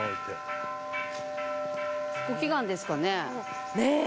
ご祈願ですかね？